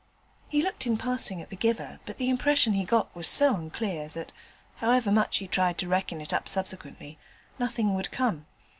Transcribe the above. He looked in passing at the giver, but the impression he got was so unclear that, however much he tried to reckon it up subsequently, nothing would come.